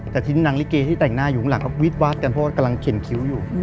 แต่ทีนี้นางลิเกที่แต่งหน้าอยู่ข้างหลังก็วิดวาดกันเพราะว่ากำลังเขียนคิ้วอยู่